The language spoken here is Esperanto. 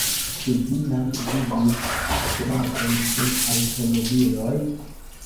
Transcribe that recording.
Ĉu vi jam vidis kuradon de aŭtomobiloj?